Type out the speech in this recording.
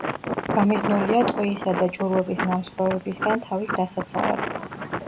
გამიზნულია ტყვიისა და ჭურვების ნამსხვრევებისგან თავის დასაცავად.